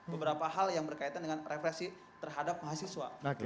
beberapa hal yang berkaitan dengan referensi terhadap mahasiswa